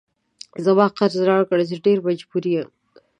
زما قرض راکړه زه ډیر مجبور یم